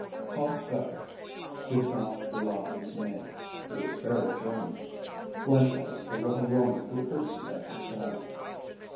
Hans Becher did not belie his name. He was very German. Likewise the little woman who courtesied at his side.